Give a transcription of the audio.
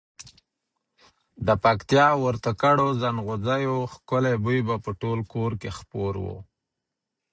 د پکتیا ورېته کړو زڼغوزیو ښکلی بوی به په ټول کور کې خپور وو.